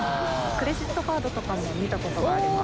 クレジットカードとかも見た事があります。